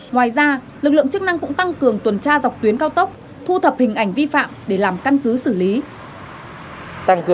ngoài ra lực lượng chức năng cũng tăng cường tuần tra dọc tuyến cao tốc thu thập hình ảnh vi phạm để làm căn cứ xử lý